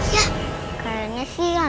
ya kayaknya sih hantunya marah